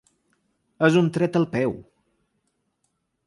És un tret al peu.